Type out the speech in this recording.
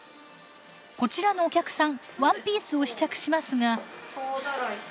こちらのお客さんワンピースを試着しますが。